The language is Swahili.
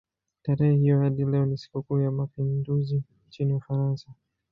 Tarehe hiyo hadi leo ni sikukuu ya mapinduzi nchini Ufaransa.